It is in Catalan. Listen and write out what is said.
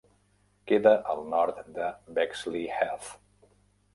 Queda al nord de Bexleyheath.